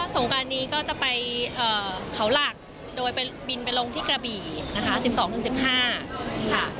สงการนี้ก็จะไปเขาหลักโดยไปบินไปลงที่กระบี่นะคะ๑๒๑๕ค่ะ